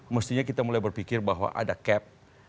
mestinya kita mulai berpikir bahwa ada cap